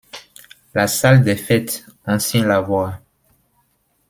La salle des fêtes, ancien lavoir.